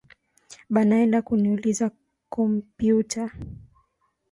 Banaenda kuniuzia kompiuta